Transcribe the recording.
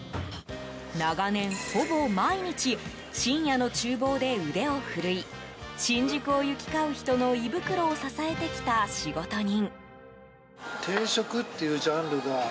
長年ほぼ毎日深夜の厨房で腕を振るい新宿を行き交う人の胃袋を支えてきた仕事人。